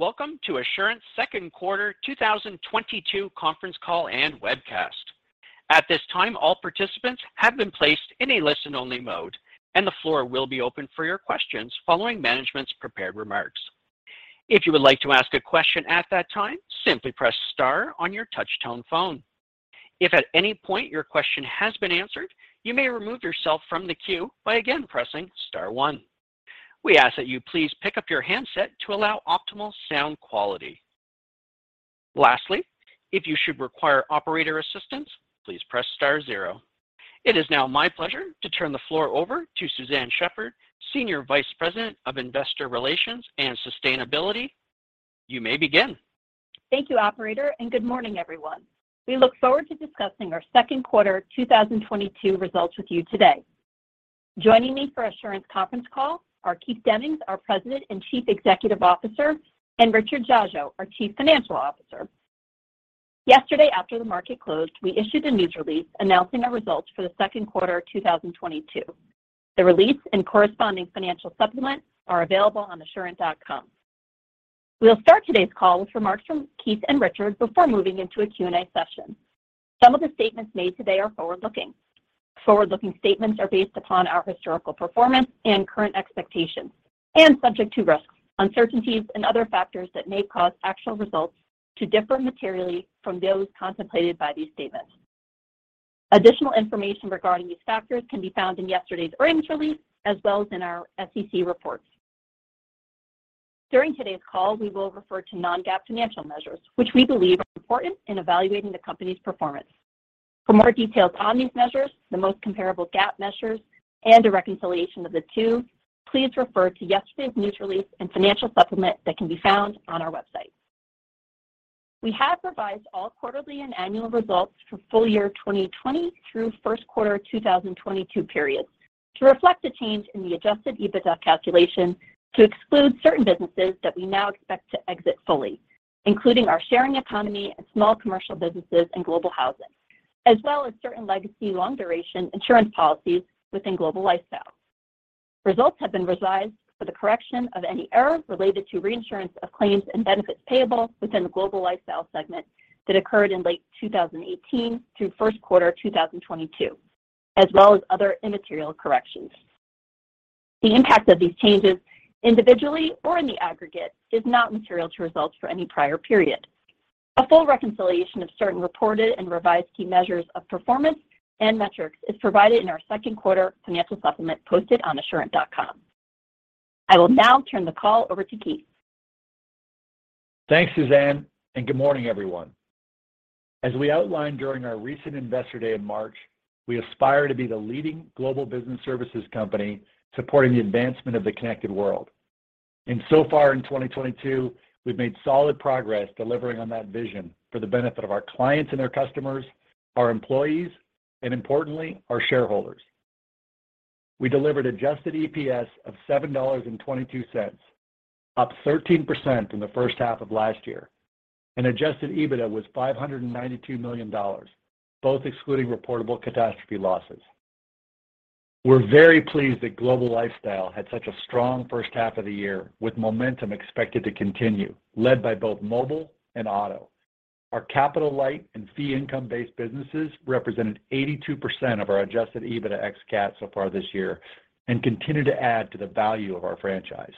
Welcome to Assurant second quarter 2022 conference call and webcast. At this time, all participants have been placed in a listen-only mode, and the floor will be open for your questions following management's prepared remarks. If you would like to ask a question at that time, simply press star on your touch-tone phone. If at any point your question has been answered, you may remove yourself from the queue by again pressing star one. We ask that you please pick up your handset to allow optimal sound quality. Lastly, if you should require operator assistance, please press star zero. It is now my pleasure to turn the floor over to Suzanne Shepherd, Senior Vice President of Investor Relations and Sustainability. You may begin. Thank you, operator, and good morning, everyone. We look forward to discussing our second quarter 2022 results with you today. Joining me for Assurant's conference call are Keith Demmings, our President and Chief Executive Officer, and Richard Dziadzio, our Chief Financial Officer. Yesterday, after the market closed, we issued a news release announcing our results for the second quarter 2022. The release and corresponding financial supplement are available on assurant.com. We'll start today's call with remarks from Keith and Richard before moving into a Q&A session. Some of the statements made today are forward-looking. Forward-looking statements are based upon our historical performance and current expectations and subject to risks, uncertainties, and other factors that may cause actual results to differ materially from those contemplated by these statements. Additional information regarding these factors can be found in yesterday's earnings release, as well as in our SEC reports. During today's call, we will refer to non-GAAP financial measures, which we believe are important in evaluating the company's performance. For more details on these measures, the most comparable GAAP measures, and a reconciliation of the two, please refer to yesterday's news release and financial supplement that can be found on our website. We have revised all quarterly and annual results for full year 2020 through first quarter 2022 periods to reflect a change in the adjusted EBITDA calculation to exclude certain businesses that we now expect to exit fully, including our sharing economy and small commercial businesses in Global Housing, as well as certain legacy long-duration insurance policies within Global Lifestyle. Results have been revised for the correction of any error related to reinsurance of claims and benefits payable within the Global Lifestyle segment that occurred in late 2018 through first quarter 2022, as well as other immaterial corrections. The impact of these changes, individually or in the aggregate, is not material to results for any prior period. A full reconciliation of certain reported and revised key measures of performance and metrics is provided in our second quarter financial supplement posted on assurant.com. I will now turn the call over to Keith. Thanks, Suzanne, and good morning, everyone. As we outlined during our recent Investor Day in March, we aspire to be the leading global business services company supporting the advancement of the connected world. So far in 2022, we've made solid progress delivering on that vision for the benefit of our clients and their customers, our employees, and importantly, our shareholders. We delivered adjusted EPS of $7.22, up 13% from the first half of last year. Adjusted EBITDA was $592 million, both excluding reportable catastrophe losses. We're very pleased that Global Lifestyle had such a strong first half of the year, with momentum expected to continue, led by both mobile and auto. Our capital-light and fee income-based businesses represented 82% of our adjusted EBITDA ex CAT so far this year and continue to add to the value of our franchise.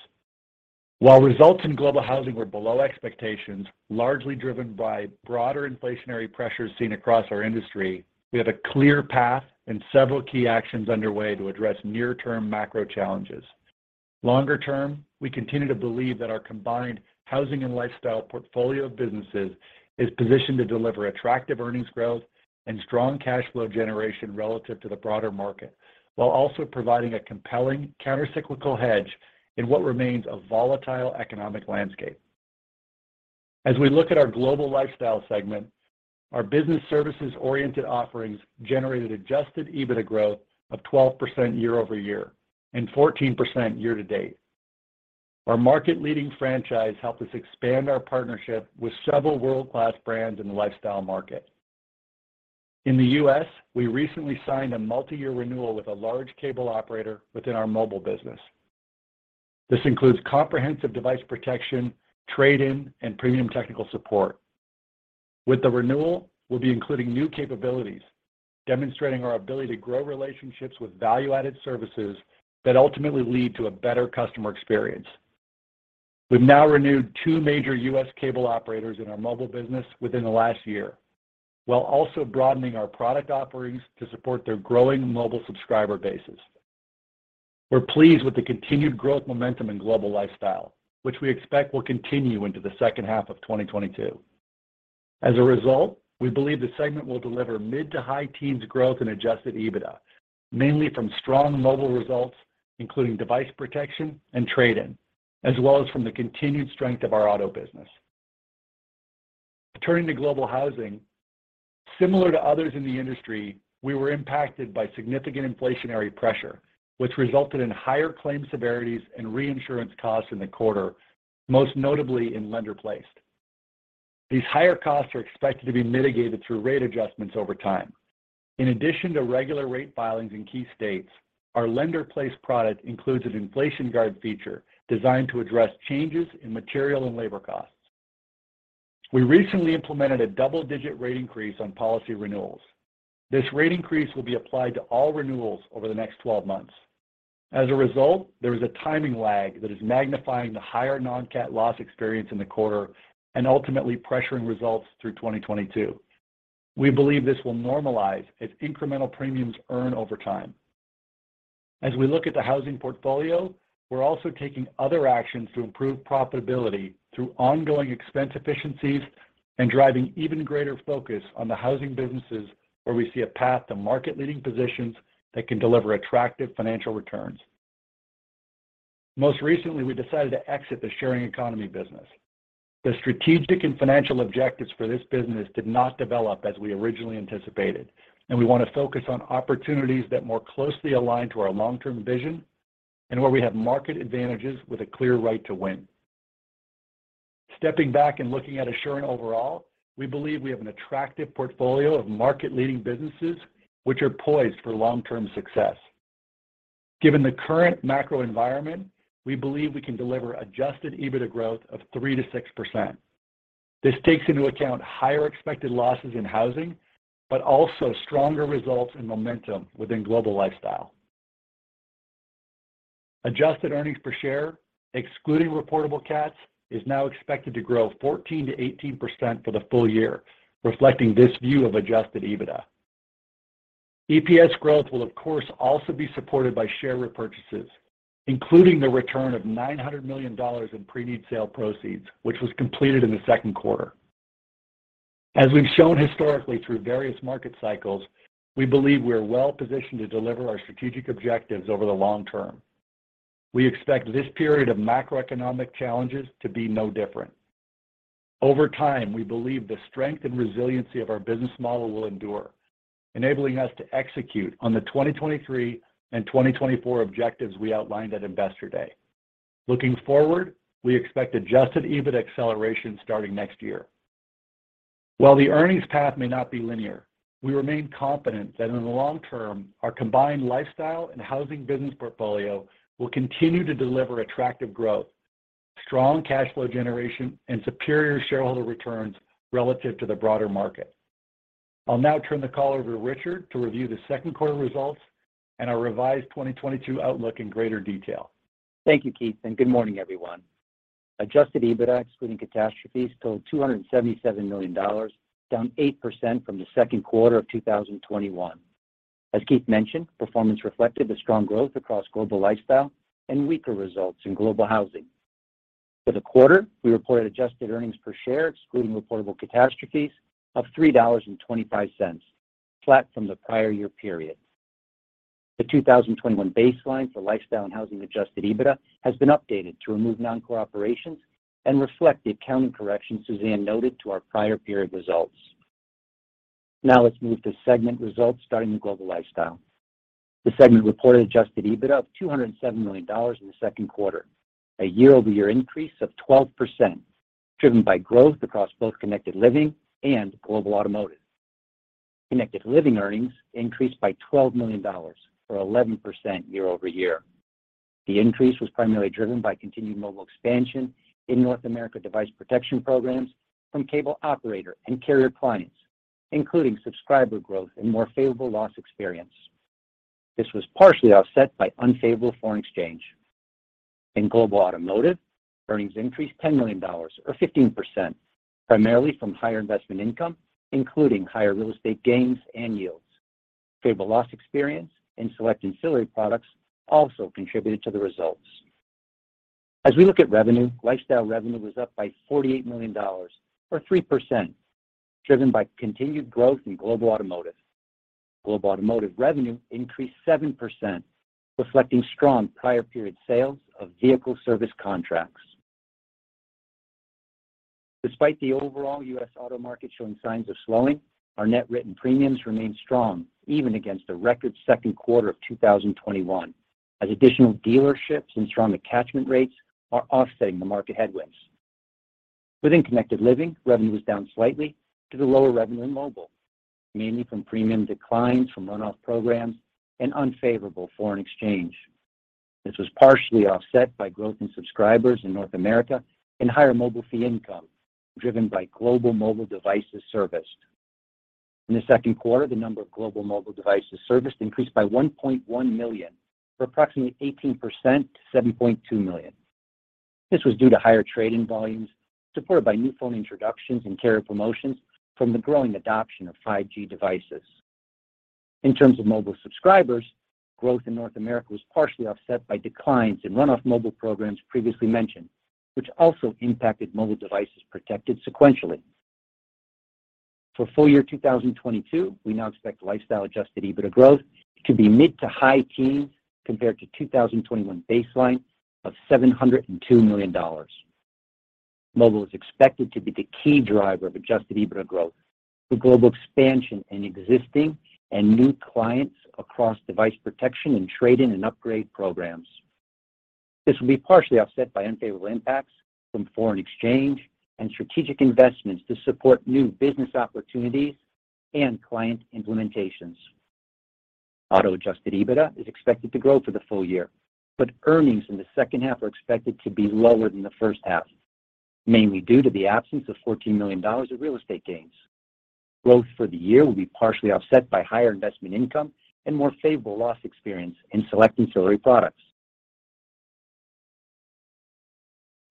While results in Global Housing were below expectations, largely driven by broader inflationary pressures seen across our industry, we have a clear path and several key actions underway to address near-term macro challenges. Longer term, we continue to believe that our combined housing and lifestyle portfolio of businesses is positioned to deliver attractive earnings growth and strong cash flow generation relative to the broader market, while also providing a compelling countercyclical hedge in what remains a volatile economic landscape. As we look at our Global Lifestyle segment, our business services-oriented offerings generated adjusted EBITDA growth of 12% year-over-year and 14% year-to-date. Our market-leading franchise helped us expand our partnership with several world-class brands in the lifestyle market. In the U.S., we recently signed a multi-year renewal with a large cable operator within our mobile business. This includes comprehensive device protection, trade-in, and premium technical support. With the renewal, we'll be including new capabilities, demonstrating our ability to grow relationships with value-added services that ultimately lead to a better customer experience. We've now renewed two major U.S. cable operators in our mobile business within the last year, while also broadening our product offerings to support their growing mobile subscriber bases. We're pleased with the continued growth momentum in Global Lifestyle, which we expect will continue into the second half of 2022. As a result, we believe the segment will deliver mid to high teens growth in adjusted EBITDA, mainly from strong mobile results, including device protection and trade-in, as well as from the continued strength of our auto business. Turning to Global Housing, similar to others in the industry, we were impacted by significant inflationary pressure, which resulted in higher claim severities and reinsurance costs in the quarter, most notably in lender-placed. These higher costs are expected to be mitigated through rate adjustments over time. In addition to regular rate filings in key states, our lender-placed product includes an inflation guard feature designed to address changes in material and labor costs. We recently implemented a double-digit rate increase on policy renewals. This rate increase will be applied to all renewals over the next 12 months. As a result, there is a timing lag that is magnifying the higher non-CAT loss experience in the quarter and ultimately pressuring results through 2022. We believe this will normalize as incremental premiums earn over time. As we look at the housing portfolio, we're also taking other actions to improve profitability through ongoing expense efficiencies and driving even greater focus on the housing businesses where we see a path to market-leading positions that can deliver attractive financial returns. Most recently, we decided to exit the sharing economy business. The strategic and financial objectives for this business did not develop as we originally anticipated, and we want to focus on opportunities that more closely align to our long-term vision and where we have market advantages with a clear right to win. Stepping back and looking at Assurant overall, we believe we have an attractive portfolio of market-leading businesses which are poised for long-term success. Given the current macro environment, we believe we can deliver adjusted EBITDA growth of 3%-6%. This takes into account higher expected losses in housing, but also stronger results and momentum within Global Lifestyle. Adjusted earnings per share, excluding reportable CATs, is now expected to grow 14%-18% for the full year, reflecting this view of adjusted EBITDA. EPS growth will of course also be supported by share repurchases, including the return of $900 million in pre-need sale proceeds, which was completed in the second quarter. As we've shown historically through various market cycles, we believe we are well-positioned to deliver our strategic objectives over the long term. We expect this period of macroeconomic challenges to be no different. Over time, we believe the strength and resiliency of our business model will endure, enabling us to execute on the 2023 and 2024 objectives we outlined at Investor Day. Looking forward, we expect adjusted EBITDA acceleration starting next year. While the earnings path may not be linear, we remain confident that in the long term, our combined lifestyle and housing business portfolio will continue to deliver attractive growth, strong cash flow generation, and superior shareholder returns relative to the broader market. I'll now turn the call over to Richard to review the second quarter results and our revised 2022 outlook in greater detail. Thank you, Keith, and good morning, everyone. Adjusted EBITDA excluding catastrophes totaled $277 million, down 8% from the second quarter of 2021. As Keith mentioned, performance reflected the strong growth across Global Lifestyle and weaker results in Global Housing. For the quarter, we reported adjusted earnings per share excluding reportable catastrophes of $3.25, flat from the prior year period. The 2021 baseline for Lifestyle and Housing adjusted EBITDA has been updated to remove non-core operations and reflect the accounting corrections Suzanne noted to our prior period results. Now let's move to segment results starting with Global Lifestyle. The segment reported adjusted EBITDA of $207 million in the second quarter, a year-over-year increase of 12%, driven by growth across both Connected Living and Global Automotive. Connected Living earnings increased by $12 million, or 11% year-over-year. The increase was primarily driven by continued mobile expansion in North America device protection programs from cable operator and carrier clients, including subscriber growth and more favorable loss experience. This was partially offset by unfavorable foreign exchange. In Global Automotive, earnings increased $10 million, or 15%, primarily from higher investment income, including higher real estate gains and yields. Favorable loss experience in select ancillary products also contributed to the results. As we look at revenue, Lifestyle revenue was up by $48 million, or 3%, driven by continued growth in Global Automotive. Global Automotive revenue increased 7%, reflecting strong prior period sales of vehicle service contracts. Despite the overall U.S. auto market showing signs of slowing, our net written premiums remain strong even against a record second quarter of 2021, as additional dealerships and strong attachment rates are offsetting the market headwinds. Within Connected Living, revenue was down slightly due to lower revenue in mobile, mainly from premium declines from run-off programs and unfavorable foreign exchange. This was partially offset by growth in subscribers in North America and higher mobile fee income, driven by global mobile devices serviced. In the second quarter, the number of global mobile devices serviced increased by 1.1 million, or approximately 18% to 7.2 million. This was due to higher trading volumes, supported by new phone introductions and carrier promotions from the growing adoption of 5G devices. In terms of mobile subscribers, growth in North America was partially offset by declines in run-off mobile programs previously mentioned, which also impacted mobile devices protected sequentially. For full year 2022, we now expect Lifestyle adjusted EBITDA growth to be mid to high teens compared to 2021 baseline of $702 million. Mobile is expected to be the key driver of adjusted EBITDA growth through global expansion in existing and new clients across device protection and trade-in and upgrade programs. This will be partially offset by unfavorable impacts from foreign exchange and strategic investments to support new business opportunities and client implementations. Auto adjusted EBITDA is expected to grow for the full year, but earnings in the second half are expected to be lower than the first half, mainly due to the absence of $14 million of real estate gains. Growth for the year will be partially offset by higher investment income and more favorable loss experience in select ancillary products.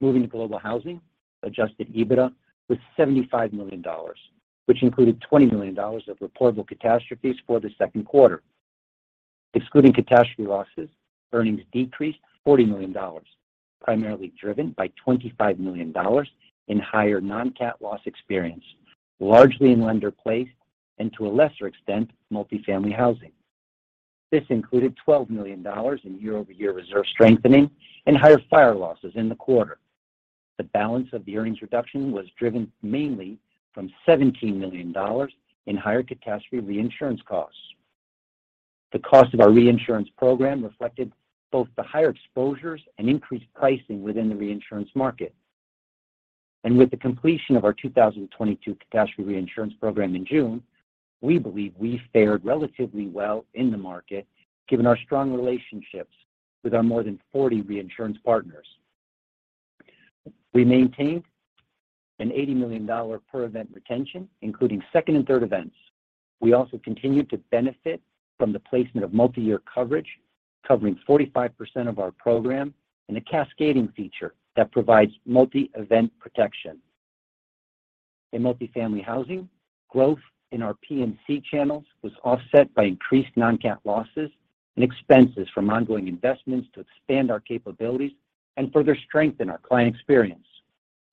Moving to Global Housing, adjusted EBITDA was $75 million, which included $20 million of reportable catastrophes for the second quarter. Excluding catastrophe losses, earnings decreased $40 million, primarily driven by $25 million in higher non-CAT loss experience, largely in lender-placed and to a lesser extent, Multifamily Housing. This included $12 million in year-over-year reserve strengthening and higher fire losses in the quarter. The balance of the earnings reduction was driven mainly from $17 million in higher catastrophe reinsurance costs. The cost of our reinsurance program reflected both the higher exposures and increased pricing within the reinsurance market. With the completion of our 2022 catastrophe reinsurance program in June, we believe we fared relatively well in the market given our strong relationships with our more than 40 reinsurance partners. We maintained an $80 million per event retention, including second and third events. We also continued to benefit from the placement of multi-year coverage, covering 45% of our program in a cascading feature that provides multi-event protection. In Multifamily Housing, growth in our P&C channels was offset by increased non-CAT losses and expenses from ongoing investments to expand our capabilities and further strengthen our client experience.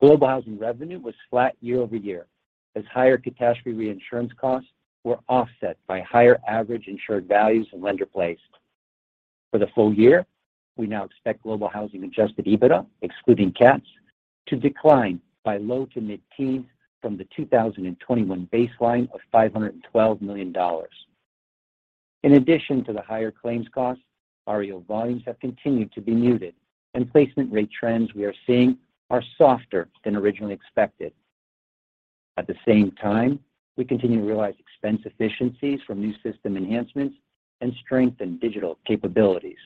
Global Housing revenue was flat year-over-year as higher catastrophe reinsurance costs were offset by higher average insured values in lender-placed. For the full year, we now expect Global Housing adjusted EBITDA, excluding CATs, to decline by low to mid-teens from the 2021 baseline of $512 million. In addition to the higher claims costs, REO volumes have continued to be muted, and placement rate trends we are seeing are softer than originally expected. At the same time, we continue to realize expense efficiencies from new system enhancements and strengthen digital capabilities.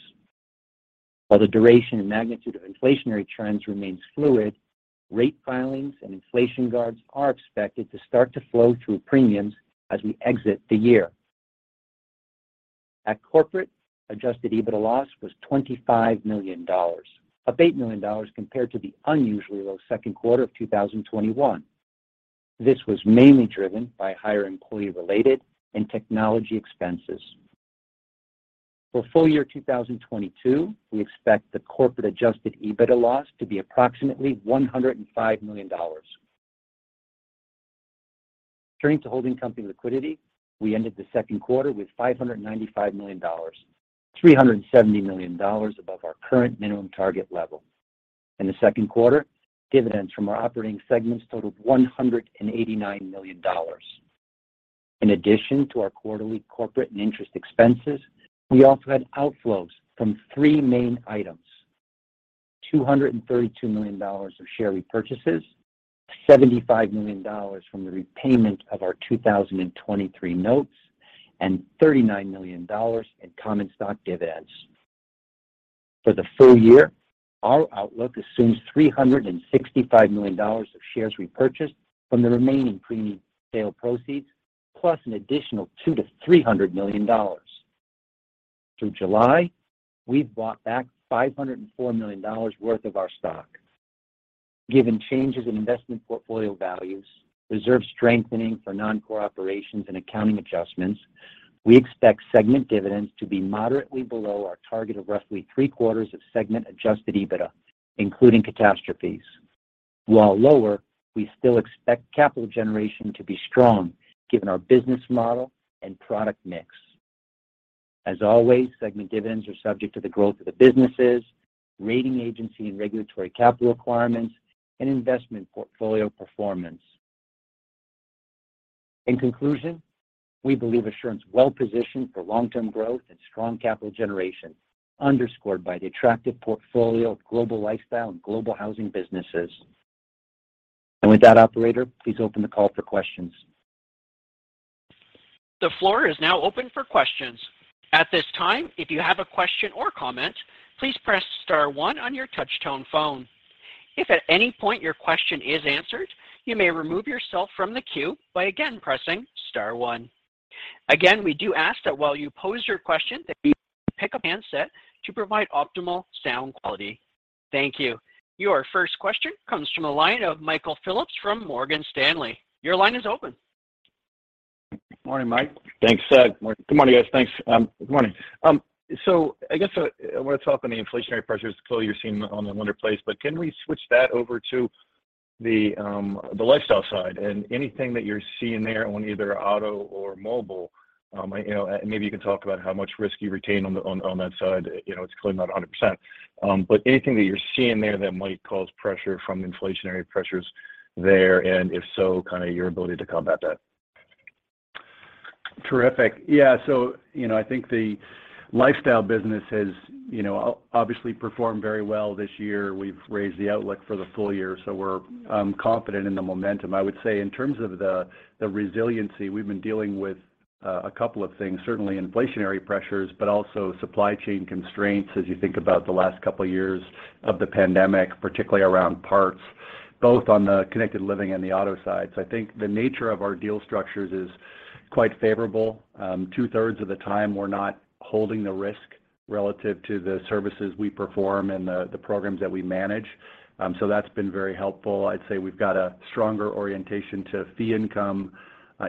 While the duration and magnitude of inflationary trends remains fluid, rate filings and inflation guards are expected to start to flow through premiums as we exit the year. At Corporate, adjusted EBITDA loss was $25 million, up $8 million compared to the unusually low second quarter of 2021. This was mainly driven by higher employee-related and technology expenses. For full year 2022, we expect the corporate adjusted EBITDA loss to be approximately $105 million. Turning to holding company liquidity, we ended the second quarter with $595 million, $370 million above our current minimum target level. In the second quarter, dividends from our operating segments totaled $189 million. In addition to our quarterly corporate and interest expenses, we also had outflows from three main items: $232 million of share repurchases, $75 million from the repayment of our 2023 notes, and $39 million in common stock dividends. For the full year, our outlook assumes $365 million of shares repurchased from the remaining premium sale proceeds, plus an additional $200 million-$300 million. Through July, we've bought back $504 million worth of our stock. Given changes in investment portfolio values, reserve strengthening for non-core operations and accounting adjustments, we expect segment dividends to be moderately below our target of roughly three-quarters of segment adjusted EBITDA, including catastrophes. While lower, we still expect capital generation to be strong given our business model and product mix. As always, segment dividends are subject to the growth of the businesses, rating agency and regulatory capital requirements, and investment portfolio performance. In conclusion, we believe Assurant is well-positioned for long-term growth and strong capital generation, underscored by the attractive portfolio of Global Lifestyle and Global Housing businesses. With that, operator, please open the call for questions. The floor is now open for questions. At this time, if you have a question or comment, please press star one on your touch tone phone. If at any point your question is answered, you may remove yourself from the queue by again pressing star one. Again, we do ask that while you pose your question that you pick up handset to provide optimal sound quality. Thank you. Your first question comes from the line of Michael Phillips from Morgan Stanley. Your line is open. Morning, Mike. Thanks. Good morning. Good morning, guys. Thanks, good morning. I guess I want to talk on the inflationary pressures clearly you're seeing on the lender-placed, but can we switch that over to the Lifestyle side and anything that you're seeing there on either auto or mobile? You know, maybe you can talk about how much risk you retain on that side. You know, it's clearly not 100%. Anything that you're seeing there that might cause pressure from inflationary pressures there, and if so, kind of your ability to combat that? Terrific. Yeah, you know, I think the lifestyle business has, you know, obviously performed very well this year. We've raised the outlook for the full year, so we're confident in the momentum. I would say in terms of the resiliency, we've been dealing with a couple of things, certainly inflationary pressures, but also supply chain constraints as you think about the last couple of years of the pandemic, particularly around parts, both on the connected living and the auto sides. I think the nature of our deal structures is quite favorable. 2/3 of the time we're not holding the risk relative to the services we perform and the programs that we manage. That's been very helpful. I'd say we've got a stronger orientation to fee income.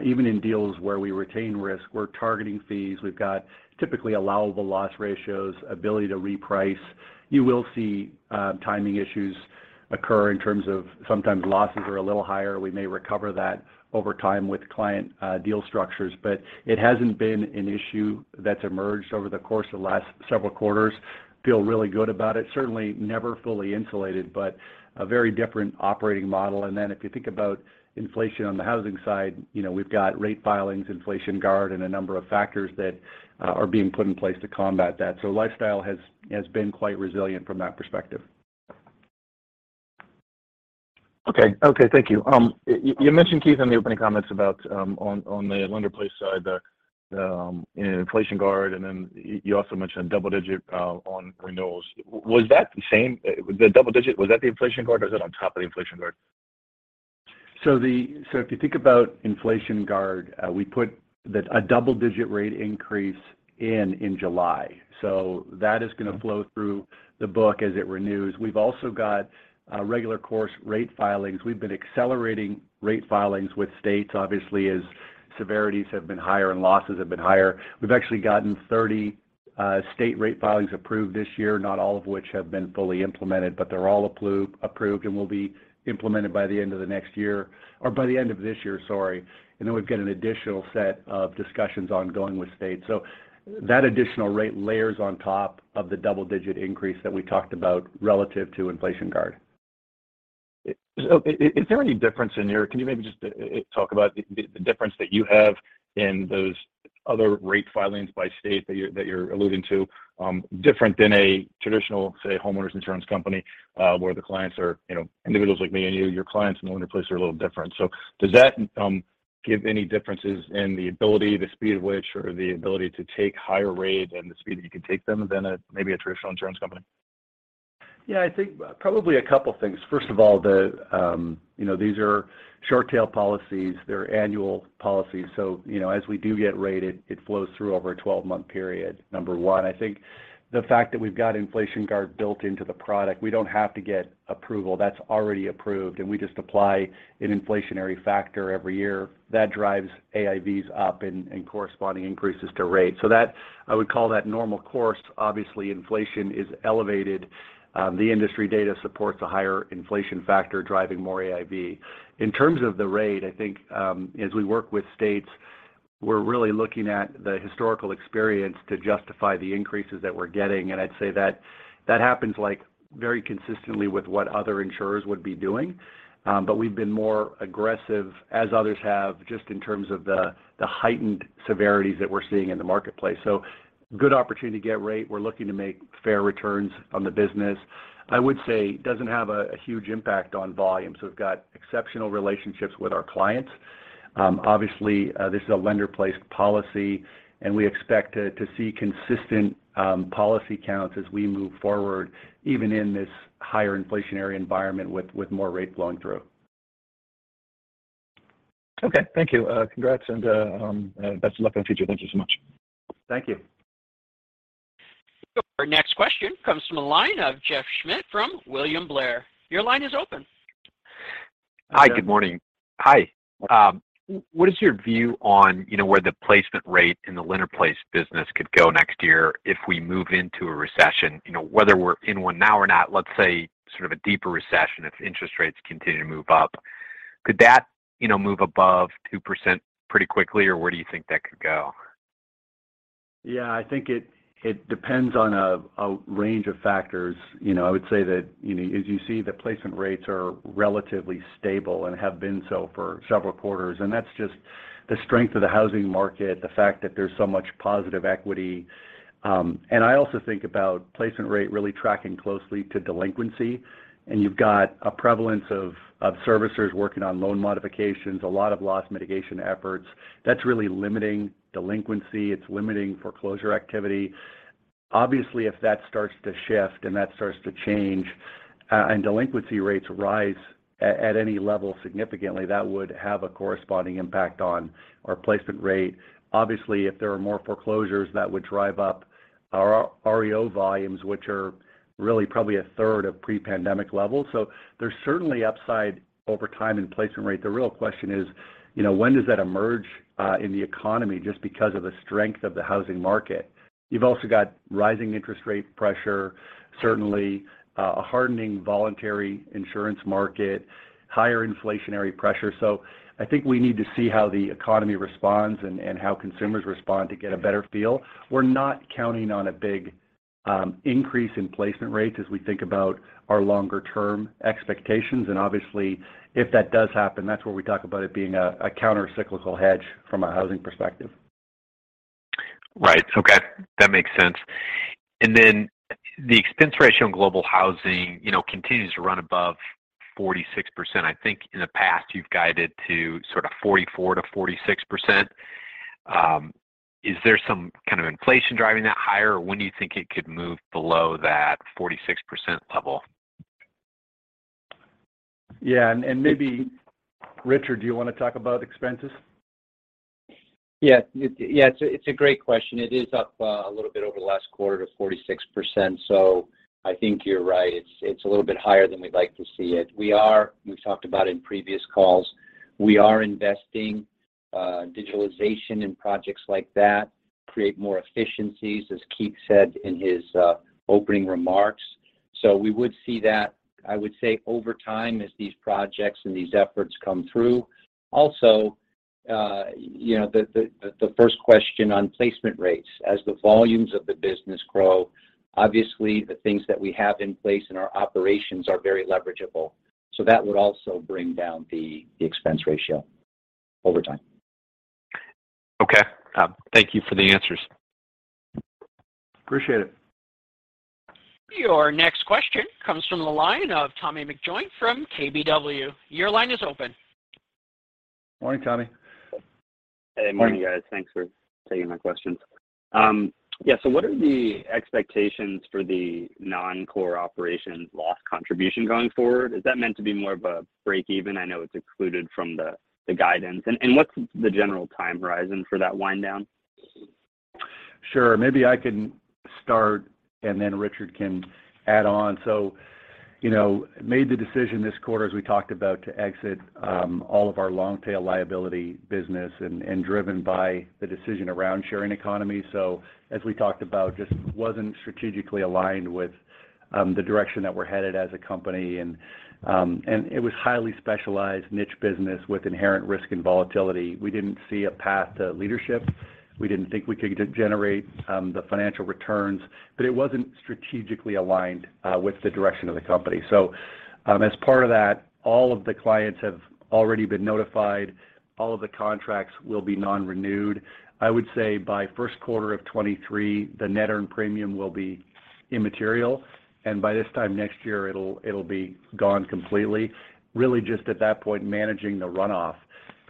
Even in deals where we retain risk, we're targeting fees. We've got typically allowable loss ratios, ability to reprice. You will see timing issues occur in terms of sometimes losses are a little higher. We may recover that over time with client deal structures. It hasn't been an issue that's emerged over the course of the last several quarters. Feel really good about it. Certainly never fully insulated, but a very different operating model. If you think about inflation on the housing side, you know, we've got rate filings, inflation guard, and a number of factors that are being put in place to combat that. Lifestyle has been quite resilient from that perspective. Okay, thank you. You mentioned, Keith, in the opening comments about on the lender-placed side, you know, inflation guard, and then you also mentioned double-digit on renewals. The double-digit, was that the inflation guard or is that on top of the inflation guard? If you think about inflation guard, we put a double-digit rate increase in July. That is gonna flow through the book as it renews. We've also got regular course rate filings. We've been accelerating rate filings with states obviously as severities have been higher and losses have been higher. We've actually gotten 30 state rate filings approved this year, not all of which have been fully implemented, but they're all approved and will be implemented by the end of the next year or by the end of this year, sorry. We've got an additional set of discussions ongoing with states. That additional rate layers on top of the double-digit increase that we talked about relative to inflation guard. Can you maybe just talk about the difference that you have in those other rate filings by state that you're alluding to, different than a traditional, say, homeowners insurance company, where the clients are, you know, individuals like me and you. Your clients in the lender-placed are a little different. Does that give any differences in the ability, the speed at which or the ability to take higher rates and the speed that you can take them than a, maybe a traditional insurance company? Yeah, I think probably a couple things. First of all, the, you know, these are short tail policies. They're annual policies. You know, as we do get rated, it flows through over a 12-month period, number one. I think the fact that we've got inflation guard built into the product, we don't have to get approval. That's already approved, and we just apply an inflationary factor every year. That drives AIVs up and corresponding increases to rate. That, I would call that normal course. Obviously, inflation is elevated. The industry data supports a higher inflation factor driving more AIV. In terms of the rate, I think, as we work with states, we're really looking at the historical experience to justify the increases that we're getting. I'd say that happens, like, very consistently with what other insurers would be doing. We've been more aggressive, as others have, just in terms of the heightened severities that we're seeing in the marketplace. Good opportunity to get rate. We're looking to make fair returns on the business. I would say it doesn't have a huge impact on volume. We've got exceptional relationships with our clients. Obviously, this is a lender-placed policy, and we expect to see consistent policy counts as we move forward, even in this higher inflationary environment with more rate flowing through. Okay. Thank you. Congrats and best of luck in the future. Thank you so much. Thank you. Our next question comes from the line of Jeff Schmitt from William Blair. Your line is open. Hi, Jeff. Hi, good morning. Hi. What is your view on, you know, where the placement rate in the lender-placed business could go next year if we move into a recession? You know, whether we're in one now or not, let's say sort of a deeper recession if interest rates continue to move up. Could that, you know, move above 2% pretty quickly, or where do you think that could go? Yeah. I think it depends on a range of factors. You know, I would say that, you know, as you see, the placement rates are relatively stable and have been so for several quarters. That's just the strength of the housing market, the fact that there's so much positive equity. I also think about placement rate really tracking closely to delinquency. You've got a prevalence of servicers working on loan modifications, a lot of loss mitigation efforts. That's really limiting delinquency. It's limiting foreclosure activity. Obviously, if that starts to shift and that starts to change, and delinquency rates rise at any level significantly, that would have a corresponding impact on our placement rate. Obviously, if there are more foreclosures, that would drive up our REO volumes, which are really probably 1/3 of pre-pandemic levels. There's certainly upside over time in placement rate. The real question is, you know, when does that emerge in the economy just because of the strength of the housing market? You've also got rising interest rate pressure, certainly a hardening voluntary insurance market, higher inflationary pressure. I think we need to see how the economy responds and how consumers respond to get a better feel. We're not counting on a big increase in placement rates as we think about our longer term expectations. Obviously, if that does happen, that's where we talk about it being a countercyclical hedge from a housing perspective. Right. Okay. That makes sense. The expense ratio on Global Housing, you know, continues to run above 46%. I think in the past, you've guided to sort of 44%-46%. Is there some kind of inflation driving that higher, or when do you think it could move below that 46% level? Yeah. Maybe Richard, do you wanna talk about expenses? Yeah, it's a great question. It is up a little bit over the last quarter to 46%. I think you're right. It's a little bit higher than we'd like to see it. We've talked about in previous calls. We are investing in digitalization projects like that to create more efficiencies, as Keith said in his opening remarks. We would see that, I would say, over time as these projects and these efforts come through. Also, you know, the first question on placement rates. As the volumes of the business grow, obviously the things that we have in place in our operations are very leverageable. That would also bring down the expense ratio over time. Okay. Thank you for the answers. Appreciate it. Your next question comes from the line of Tommy McJoynt from KBW. Your line is open. Morning, Tommy. Hey. Morning, guys. Morning. Thanks for taking my questions. Yeah. What are the expectations for the non-core operations loss contribution going forward? Is that meant to be more of a breakeven? I know it's excluded from the guidance. What's the general time horizon for that wind down? Sure. Maybe I can start and then Richard can add on. You know, made the decision this quarter, as we talked about, to exit all of our long tail liability business and driven by the decision around sharing economy. As we talked about, just wasn't strategically aligned with the direction that we're headed as a company. It was highly specialized niche business with inherent risk and volatility. We didn't see a path to leadership. We didn't think we could generate the financial returns, but it wasn't strategically aligned with the direction of the company. As part of that, all of the clients have already been notified. All of the contracts will be non-renewed. I would say by first quarter of 2023, the net earned premium will be immaterial, and by this time next year it'll be gone completely. Really just at that point, managing the runoff.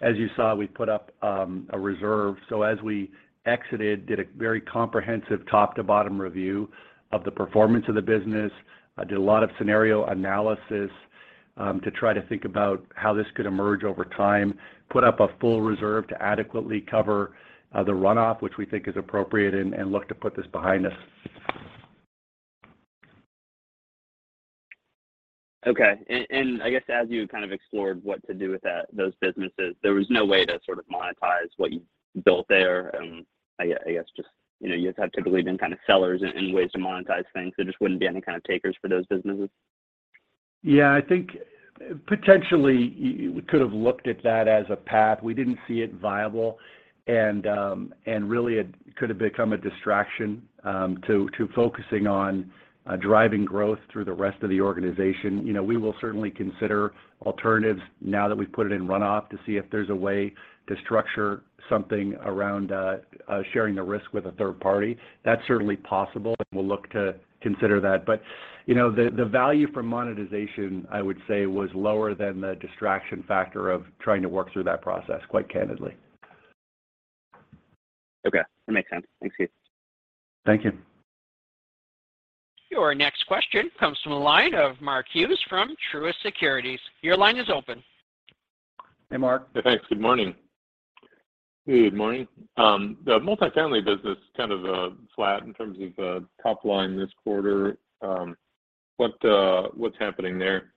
As you saw, we put up a reserve. As we exited, did a very comprehensive top to bottom review of the performance of the business. I did a lot of scenario analysis to try to think about how this could emerge over time. Put up a full reserve to adequately cover the runoff, which we think is appropriate, and look to put this behind us. Okay. I guess as you kind of explored what to do with that, those businesses, there was no way to sort of monetize what you built there. I guess just, you know, you guys have typically been kind of sellers in ways to monetize things, there just wouldn't be any kind of takers for those businesses. Yeah, I think potentially you could have looked at that as a path. We didn't see it viable and really it could have become a distraction to focusing on driving growth through the rest of the organization. You know, we will certainly consider alternatives now that we've put it in runoff to see if there's a way to structure something around sharing the risk with a third party. That's certainly possible, and we'll look to consider that. You know, the value for monetization, I would say was lower than the distraction factor of trying to work through that process, quite candidly. Okay. That makes sense. Thanks, Keith. Thank you. Your next question comes from the line of Mark Hughes from Truist Securities. Your line is open. Hey, Mark. Thanks. Good morning. Good morning. The Multifamily business kind of flat in terms of top line this quarter. What's happening there?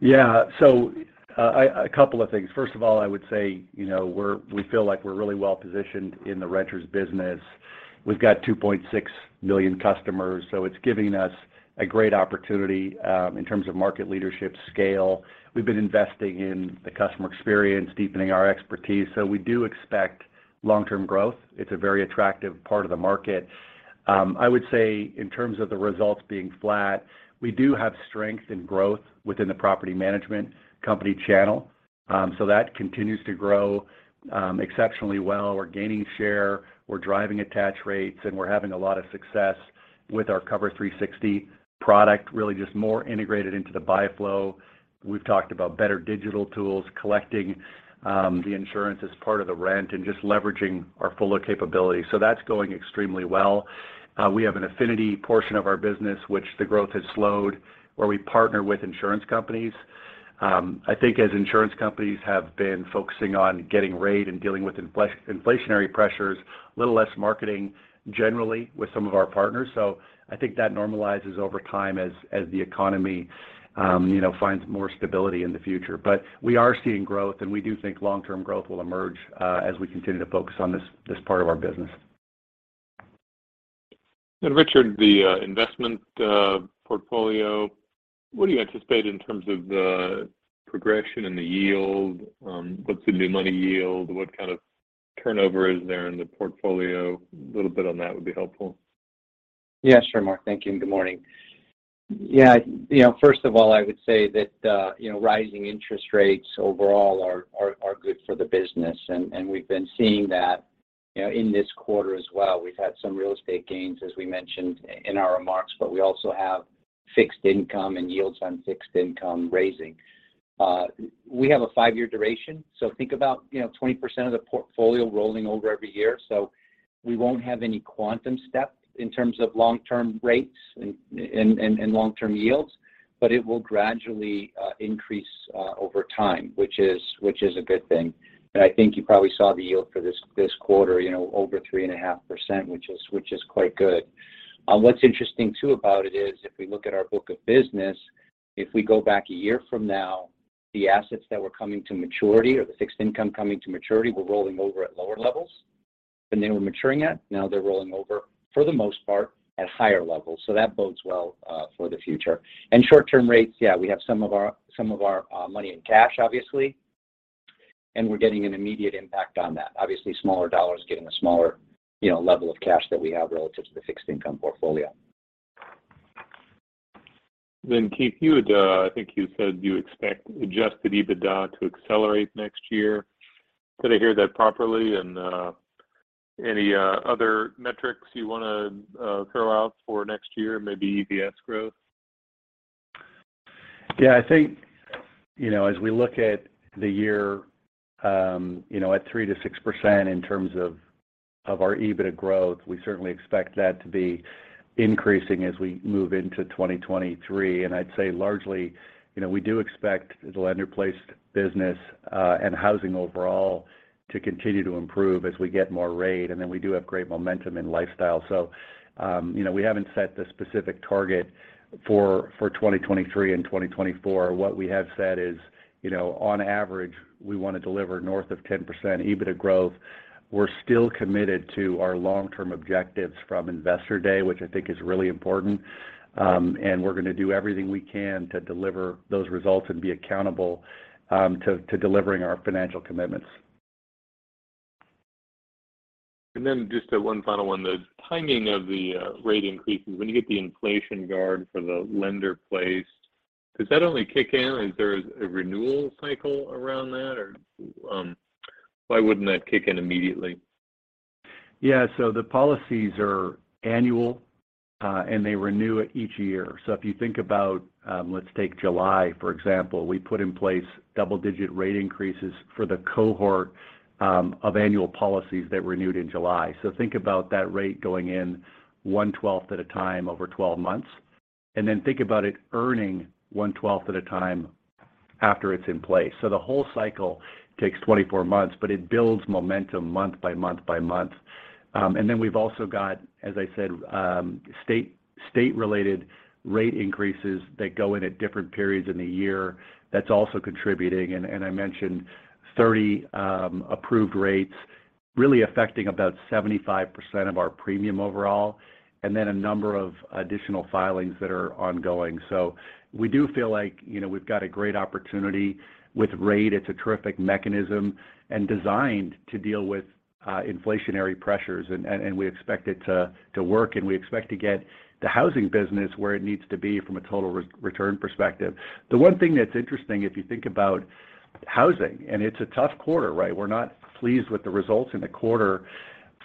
Yeah. A couple of things. First of all, I would say, you know, we feel like we're really well positioned in the renters business. We've got 2.6 million customers, so it's giving us a great opportunity in terms of market leadership scale. We've been investing in the customer experience, deepening our expertise. We do expect long-term growth. It's a very attractive part of the market. I would say in terms of the results being flat, we do have strength and growth within the property management company channel. That continues to grow exceptionally well. We're gaining share, we're driving attach rates, and we're having a lot of success with our Cover360 product, really just more integrated into the buy flow. We've talked about better digital tools, collecting the insurance as part of the rent, and just leveraging our fuller capability. That's going extremely well. We have an affinity portion of our business, which the growth has slowed, where we partner with insurance companies. I think as insurance companies have been focusing on getting rate and dealing with inflationary pressures, little less marketing generally with some of our partners. I think that normalizes over time as the economy, you know, finds more stability in the future. We are seeing growth, and we do think long-term growth will emerge as we continue to focus on this part of our business. Richard, the investment portfolio. What do you anticipate in terms of the progression and the yield? What's the new money yield? What kind of turnover is there in the portfolio? A little bit on that would be helpful. Yeah, sure, Mark. Thank you, and good morning. Yeah, you know, first of all, I would say that, you know, rising interest rates overall are good for the business. We've been seeing that, you know, in this quarter as well. We've had some real estate gains, as we mentioned in our remarks, but we also have fixed income and yields on fixed income rising. We have a five-year duration, so think about, you know, 20% of the portfolio rolling over every year. We won't have any quantum step in terms of long-term rates and long-term yields, but it will gradually increase over time, which is a good thing. I think you probably saw the yield for this quarter, you know, over 3.5%, which is quite good. What's interesting too about it is, if we look at our book of business, if we go back a year from now, the assets that were coming to maturity or the fixed income coming to maturity were rolling over at lower levels than they were maturing at. Now they're rolling over, for the most part, at higher levels. That bodes well for the future. Short-term rates, yeah, we have some of our money in cash, obviously, and we're getting an immediate impact on that. Obviously, smaller dollars getting a smaller, you know, level of cash that we have relative to the fixed income portfolio. Keith, you had, I think you said you expect adjusted EBITDA to accelerate next year. Did I hear that properly? Any other metrics you wanna throw out for next year, maybe EPS growth? Yeah. I think, you know, as we look at the year, you know, at 3%-6% in terms of our EBITDA growth, we certainly expect that to be increasing as we move into 2023. I'd say largely, you know, we do expect the lender-placed business and housing overall to continue to improve as we get more rate, and then we do have great momentum in lifestyle. You know, we haven't set the specific target for 2023 and 2024. What we have said is, you know, on average, we wanna deliver north of 10% EBITDA growth. We're still committed to our long-term objectives from Investor Day, which I think is really important. We're gonna do everything we can to deliver those results and be accountable to delivering our financial commitments. Just one final one. The timing of the rate increases. When you get the inflation guard for the lender-placed, does that only kick in? Is there a renewal cycle around that? Or why wouldn't that kick in immediately? Yeah. The policies are annual, and they renew it each year. If you think about, let's take July, for example. We put in place double-digit rate increases for the cohort of annual policies that renewed in July. Think about that rate going in one twelfth at a time over 12 months, and then think about it earning one twelfth at a time after it's in place. The whole cycle takes 24 months, but it builds momentum month by month by month. We've also got, as I said, state-related rate increases that go in at different periods in the year that's also contributing. I mentioned 30 approved rates really affecting about 75% of our premium overall, and then a number of additional filings that are ongoing. We do feel like, you know, we've got a great opportunity with rate. It's a terrific mechanism and designed to deal with inflationary pressures and we expect it to work, and we expect to get the housing business where it needs to be from a total return perspective. The one thing that's interesting, if you think about housing, and it's a tough quarter, right? We're not pleased with the results in the quarter.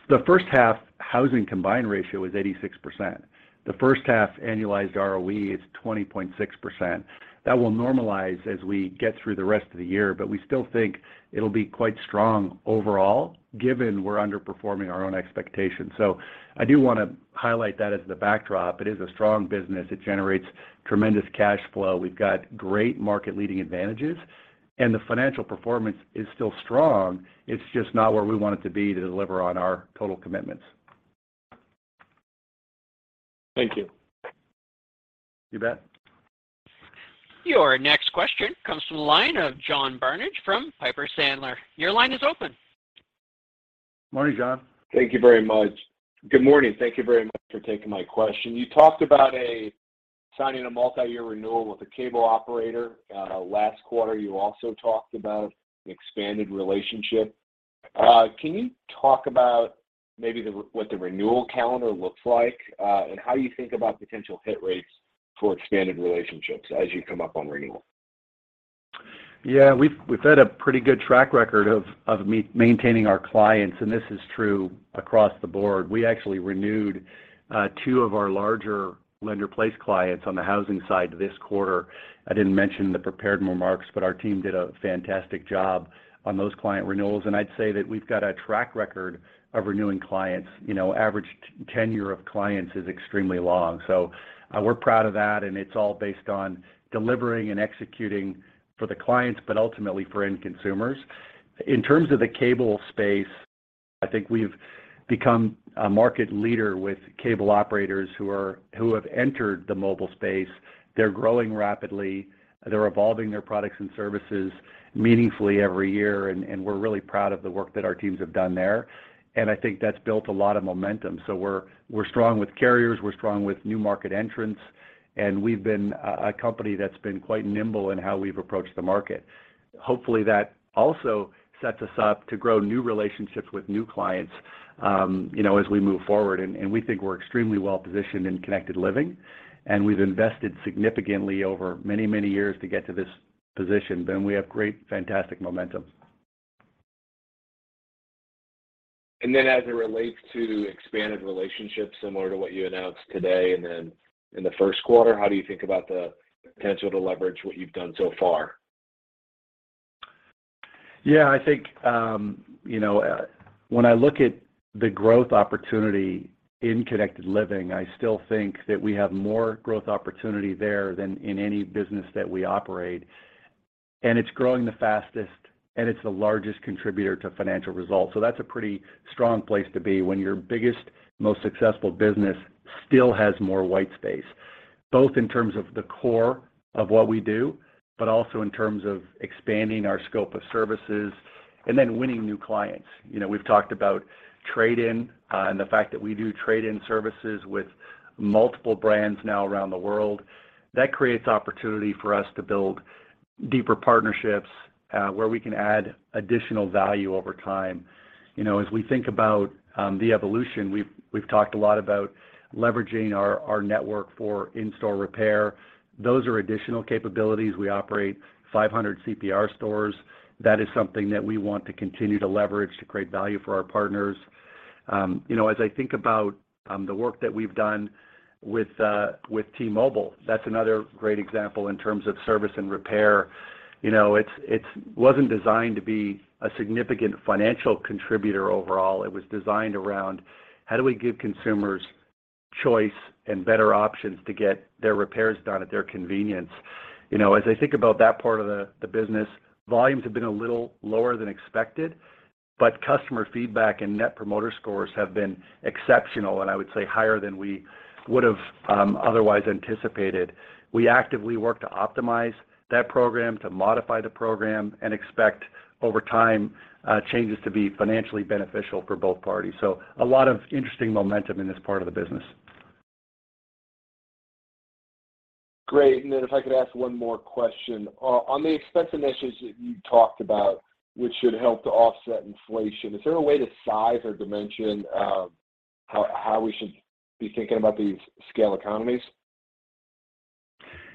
The first half housing combined ratio is 86%. The first half annualized ROE is 20.6%. That will normalize as we get through the rest of the year, but we still think it'll be quite strong overall, given we're underperforming our own expectations. I do wanna highlight that as the backdrop. It is a strong business. It generates tremendous cash flow. We've got great market-leading advantages, and the financial performance is still strong. It's just not where we want it to be to deliver on our total commitments. Thank you. You bet. Your next question comes from the line of John Barnidge from Piper Sandler. Your line is open. Morning, John. Thank you very much. Good morning. Thank you very much for taking my question. You talked about signing a multi-year renewal with a cable operator. Last quarter, you also talked about an expanded relationship. Can you talk about maybe what the renewal calendar looks like, and how you think about potential hit rates for expanded relationships as you come up on renewal? We've had a pretty good track record of maintaining our clients, and this is true across the board. We actually renewed two of our larger lender-placed clients on the housing side this quarter. I didn't mention the prepared remarks, but our team did a fantastic job on those client renewals. I'd say that we've got a track record of renewing clients. You know, average tenure of clients is extremely long. We're proud of that, and it's all based on delivering and executing for the clients, but ultimately for end consumers. In terms of the cable space, I think we've become a market leader with cable operators who have entered the mobile space. They're growing rapidly. They're evolving their products and services meaningfully every year, and we're really proud of the work that our teams have done there. I think that's built a lot of momentum. We're strong with carriers. We're strong with new market entrants. We've been a company that's been quite nimble in how we've approached the market. Hopefully, that also sets us up to grow new relationships with new clients, you know, as we move forward. We think we're extremely well-positioned in Connected Living, and we've invested significantly over many years to get to this position. We have great, fantastic momentum. As it relates to expanded relationships, similar to what you announced today and then in the first quarter, how do you think about the potential to leverage what you've done so far? Yeah, I think, you know, when I look at the growth opportunity in Connected Living, I still think that we have more growth opportunity there than in any business that we operate, and it's growing the fastest and it's the largest contributor to financial results. That's a pretty strong place to be when your biggest, most successful business still has more white space, both in terms of the core of what we do, but also in terms of expanding our scope of services and then winning new clients. You know, we've talked about trade-in, and the fact that we do trade-in services with multiple brands now around the world. That creates opportunity for us to build deeper partnerships, where we can add additional value over time. You know, as we think about the evolution, we've talked a lot about leveraging our network for in-store repair. Those are additional capabilities. We operate 500 CPR stores. That is something that we want to continue to leverage to create value for our partners. You know, as I think about the work that we've done with T-Mobile, that's another great example in terms of service and repair. You know, it wasn't designed to be a significant financial contributor overall. It was designed around, how do we give consumers choice and better options to get their repairs done at their convenience? You know, as I think about that part of the business, volumes have been a little lower than expected, but customer feedback and Net Promoter Scores have been exceptional, and I would say higher than we would've otherwise anticipated. We actively work to optimize that program, to modify the program, and expect over time, changes to be financially beneficial for both parties. A lot of interesting momentum in this part of the business. Great. If I could ask one more question. On the expense initiatives that you talked about, which should help to offset inflation, is there a way to size or dimension how we should be thinking about these scale economies?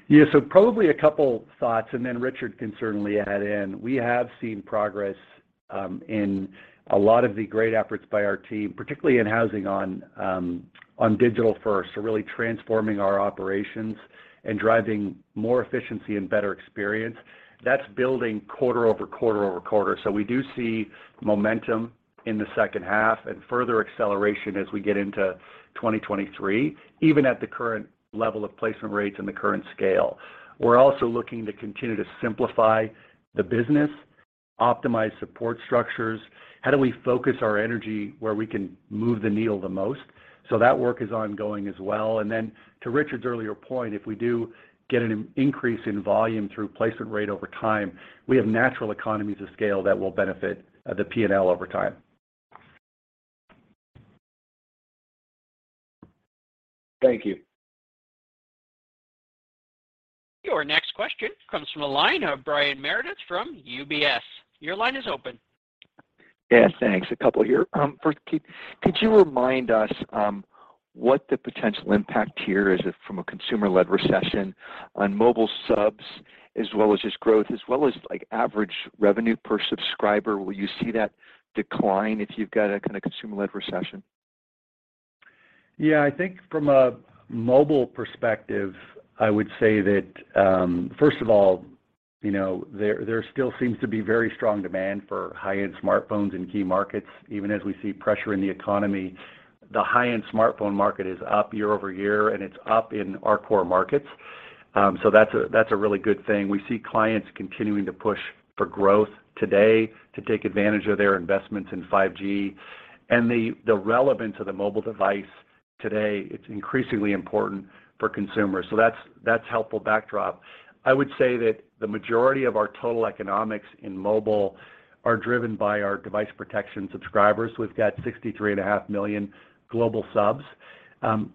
Yeah. Probably a couple thoughts, and then Richard can certainly add in. We have seen progress in a lot of the great efforts by our team, particularly in housing on digital first. Really transforming our operations and driving more efficiency and better experience. That's building quarter over quarter over quarter. We do see momentum in the second half and further acceleration as we get into 2023, even at the current level of placement rates and the current scale. We're also looking to continue to simplify the business, optimize support structures. How do we focus our energy where we can move the needle the most? That work is ongoing as well. To Richard's earlier point, if we do get an increase in volume through placement rate over time, we have natural economies of scale that will benefit the P&L over time. Thank you. Your next question comes from the line of Brian Meredith from UBS. Your line is open. Yeah, thanks. A couple here. First, could you remind us what the potential impact here is if from a consumer-led recession on mobile subs as well as just growth, as well as like average revenue per subscriber? Will you see that decline if you've got a kinda consumer-led recession? Yeah. I think from a mobile perspective, I would say that, first of all, you know, there still seems to be very strong demand for high-end smartphones in key markets, even as we see pressure in the economy. The high-end smartphone market is up year over year, and it's up in our core markets. So that's a really good thing. We see clients continuing to push for growth today to take advantage of their investments in 5G. The relevance of the mobile device today, it's increasingly important for consumers. So that's helpful backdrop. I would say that the majority of our total economics in mobile are driven by our device protection subscribers. We've got 63.5 million global subs.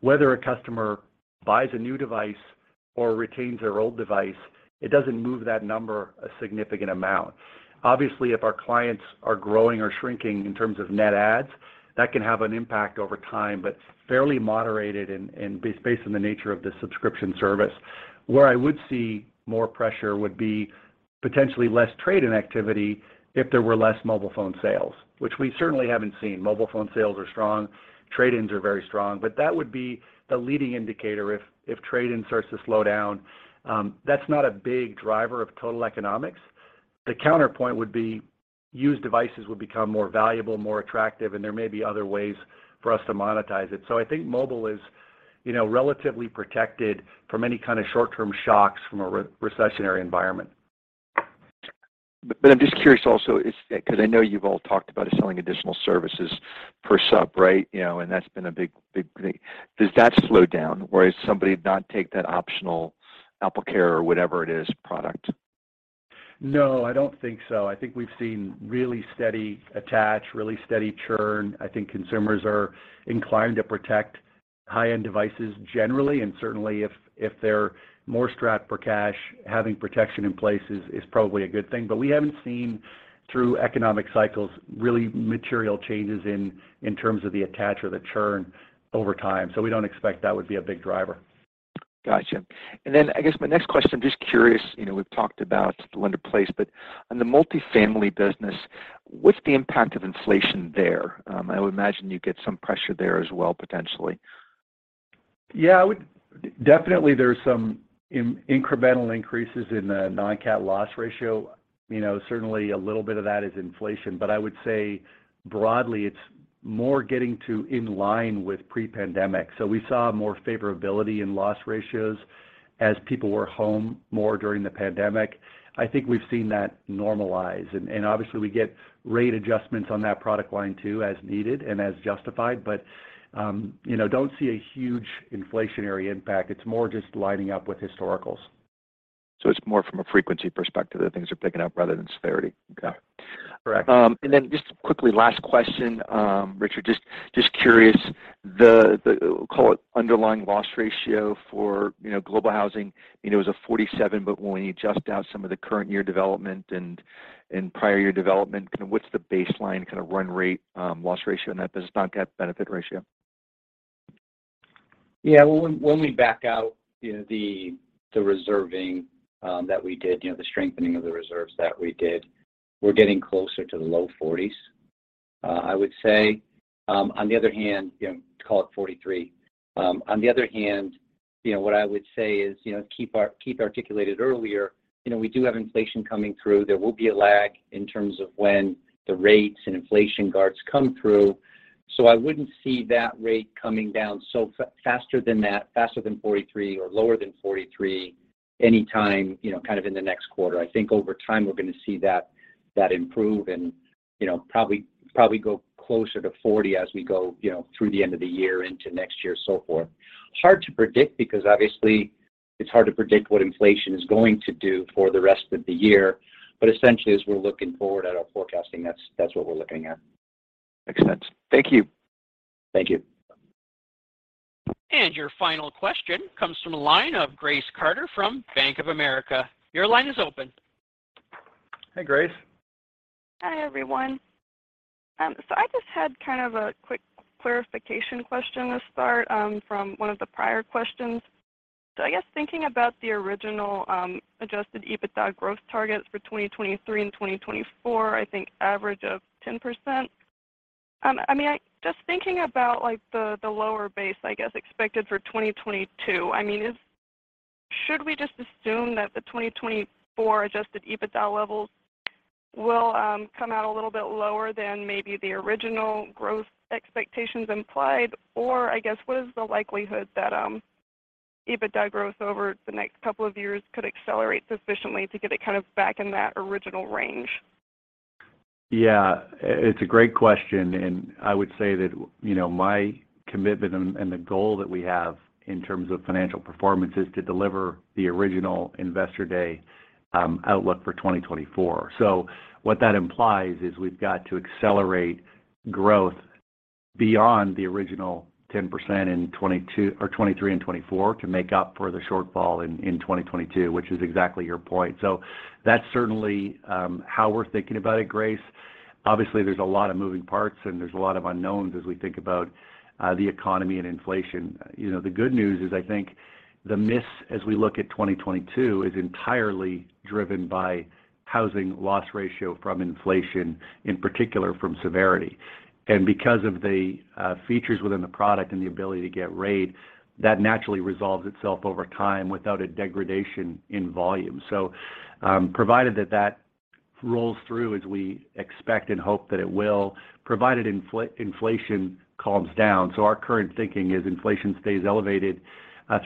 Whether a customer buys a new device or retains their old device, it doesn't move that number a significant amount. Obviously, if our clients are growing or shrinking in terms of net adds, that can have an impact over time, but fairly moderated and based on the nature of the subscription service. Where I would see more pressure would be potentially less trade-in activity if there were less mobile phone sales, which we certainly haven't seen. Mobile phone sales are strong, trade-ins are very strong. But that would be the leading indicator if trade-in starts to slow down. That's not a big driver of total economics. The counterpoint would be used devices would become more valuable, more attractive, and there may be other ways for us to monetize it. So I think mobile is, you know, relatively protected from any kinda short-term shocks from a recessionary environment. I'm just curious also 'cause I know you've all talked about selling additional services per sub, right? You know, and that's been a big thing. Does that slow down? Whereas somebody not take that optional AppleCare or whatever it is product? No, I don't think so. I think we've seen really steady attach, really steady churn. I think consumers are inclined to protect high-end devices generally, and certainly if they're more strapped for cash, having protection in place is probably a good thing. But we haven't seen through economic cycles really material changes in terms of the attach or the churn over time. We don't expect that would be a big driver. Gotcha. I guess my next question, just curious, you know, we've talked about lender-placed, but on the multifamily business, what's the impact of inflation there? I would imagine you get some pressure there as well, potentially. Definitely there's some incremental increases in the non-CAT loss ratio. You know, certainly a little bit of that is inflation. I would say broadly, it's more getting to in line with pre-pandemic. We saw more favorability in loss ratios as people were home more during the pandemic. I think we've seen that normalize and obviously, we get rate adjustments on that product line too, as needed and as justified. You know, don't see a huge inflationary impact. It's more just lining up with historicals. It's more from a frequency perspective that things are picking up rather than severity? Okay. Correct. Just quickly, last question, Richard. Just curious, the call it underlying loss ratio for Global Housing, you know, is 47%, but when we adjust out some of the current year development and prior year development, kind of what's the baseline kind of run rate loss ratio on that business, non-CAT benefit ratio? Yeah. When we back out, you know, the reserving that we did, you know, the strengthening of the reserves that we did, we're getting closer to the low 40s%. I would say, on the other hand, you know, call it 43%. On the other hand, you know, what I would say is, you know, Keith articulated earlier, you know, we do have inflation coming through. There will be a lag in terms of when the rates and inflation guards come through. So I wouldn't see that rate coming down so faster than that, faster than 43% or lower than 43% anytime, you know, kind of in the next quarter. I think over time, we're gonna see that improve and, you know, probably go closer to 40% as we go, you know, through the end of the year into next year so forth. It's hard to predict because obviously it's hard to predict what inflation is going to do for the rest of the year. Essentially, as we're looking forward at our forecasting, that's what we're looking at. Makes sense. Thank you. Thank you. Your final question comes from the line of Grace Carter from Bank of America. Your line is open. Hi, Grace. Hi, everyone. I just had kind of a quick clarification question to start, from one of the prior questions. I guess thinking about the original, adjusted EBITDA growth targets for 2023 and 2024, I think average of 10%. I mean, just thinking about like the lower base, I guess, expected for 2022, I mean, should we just assume that the 2024 adjusted EBITDA levels will come out a little bit lower than maybe the original growth expectations implied? Or I guess, what is the likelihood that, EBITDA growth over the next couple of years could accelerate sufficiently to get it kind of back in that original range? Yeah. It's a great question, and I would say that, you know, my commitment and the goal that we have in terms of financial performance is to deliver the original Investor Day outlook for 2024. What that implies is we've got to accelerate growth beyond the original 10% in 2022 or 2023 and 2024 to make up for the shortfall in 2022, which is exactly your point. That's certainly how we're thinking about it, Grace. Obviously, there's a lot of moving parts and there's a lot of unknowns as we think about the economy and inflation. You know, the good news is I think the miss as we look at 2022 is entirely driven by housing loss ratio from inflation, in particular from severity. Because of the features within the product and the ability to get rate, that naturally resolves itself over time without a degradation in volume. Provided that rolls through as we expect and hope that it will, provided inflation calms down. Our current thinking is inflation stays elevated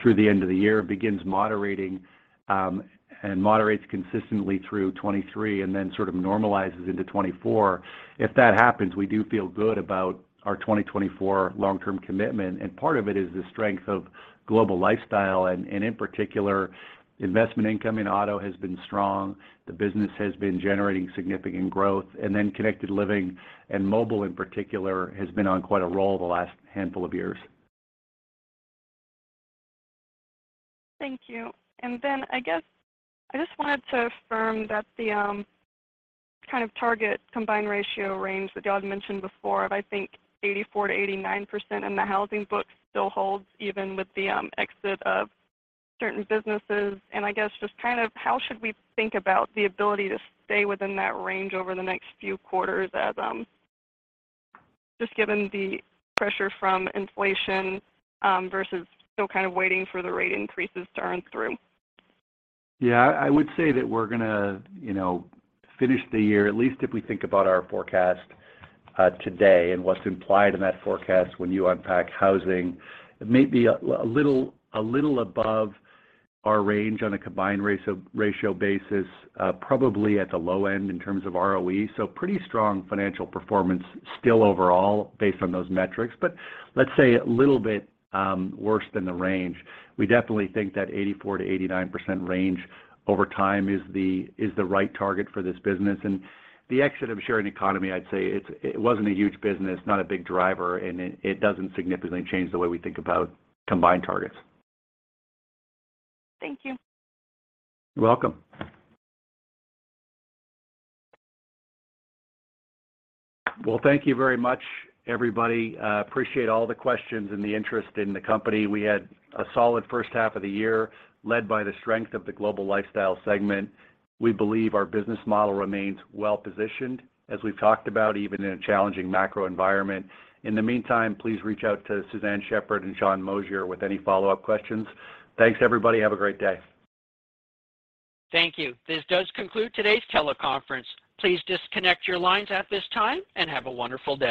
through the end of the year, begins moderating, and moderates consistently through 2023 and then sort of normalizes into 2024. If that happens, we do feel good about our 2024 long-term commitment, and part of it is the strength of Global Lifestyle and in particular, investment income in auto has been strong. The business has been generating significant growth, and then Connected Living and mobile, in particular, has been on quite a roll the last handful of years. Thank you. I guess I just wanted to affirm that the kind of target combined ratio range that y'all had mentioned before of, I think 84%-89% in the housing book still holds even with the exit of certain businesses. I guess just kind of how should we think about the ability to stay within that range over the next few quarters as just given the pressure from inflation versus still kind of waiting for the rate increases to earn through? Yeah. I would say that we're gonna, you know, finish the year, at least if we think about our forecast today and what's implied in that forecast when you unpack housing. It may be a little above our range on a combined ratio basis, probably at the low end in terms of ROE. So pretty strong financial performance still overall based on those metrics. But let's say a little bit worse than the range. We definitely think that 84%-89% range over time is the right target for this business. The exit of sharing economy, I'd say it wasn't a huge business, not a big driver, and it doesn't significantly change the way we think about combined targets. Thank you. You're welcome. Well, thank you very much, everybody. Appreciate all the questions and the interest in the company. We had a solid first half of the year led by the strength of the Global Lifestyle segment. We believe our business model remains well-positioned, as we've talked about, even in a challenging macro environment. In the meantime, please reach out to Suzanne Shepherd and Sean Moshier with any follow-up questions. Thanks, everybody. Have a great day. Thank you. This does conclude today's teleconference. Please disconnect your lines at this time, and have a wonderful day.